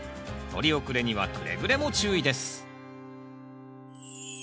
とり遅れにはくれぐれも注意です